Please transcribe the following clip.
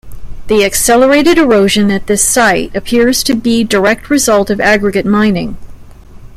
The accelerated erosion at this site appears to be direct result of aggregate mining.